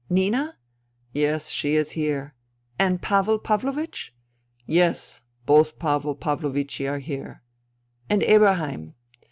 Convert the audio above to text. " Nina ?"" Yes, she is here." " And Pavel Pavlovieh ?"" Yes, both Pavel Pavlovichi are here." " And Eberheim